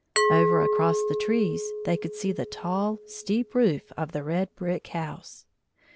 Over across the trees they could see the tall, steep roof of the red brick house.